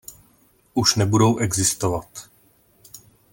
Už nebudou existovat.